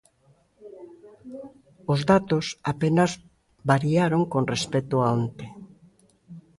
Os datos apenas variaron con respecto a onte.